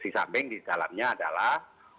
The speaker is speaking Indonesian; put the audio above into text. sambing di dalamnya adalah